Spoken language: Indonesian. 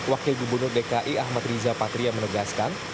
wakil gubernur dki ahmad riza patria menegaskan